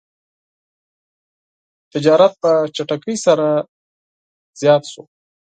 تجارت په چټکۍ سره زیات شو.